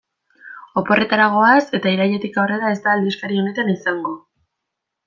Oporretara goaz eta irailetik aurrera ez da aldizkari honetan izango.